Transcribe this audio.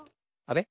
あれ？